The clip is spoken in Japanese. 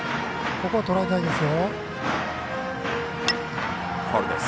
ここをとらえたいですよ。